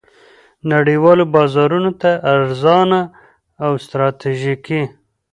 نړیوالو بازارونو ته ارزانه او ستراتیژیکې